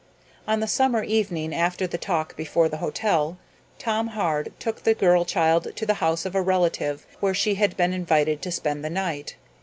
On the summer evening, after the talk before the hotel, Tom Hard took the girl child to the house of a relative where she had been invited to spend the night.